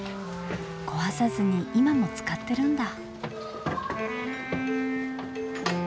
壊さずに今も使ってるんだ。